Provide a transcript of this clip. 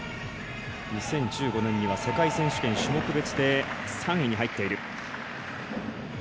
２０１５年には世界選手権種目別で３位に入っている。